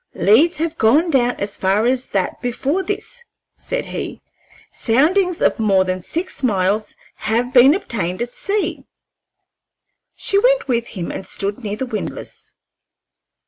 "Leads have gone down as far as that before this," said he. "Soundings of more than six miles have been obtained at sea." She went with him and stood near the windlass.